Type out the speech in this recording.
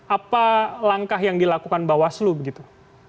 apa langkah yang dilakukan bawaslu begitu